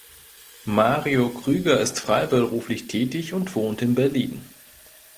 Mario Krüger ist freiberuflich tätig und wohnt in Berlin.